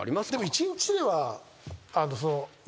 １日では。